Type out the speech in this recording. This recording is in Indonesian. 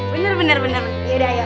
bener bener yaudah ayo